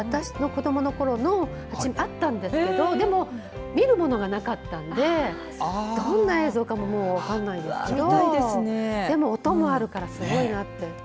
私の子どものころの写真あったんですけど、でも見るものがなかったんでどんな映像かも分かんないですけどでも音もあるからすごいなって。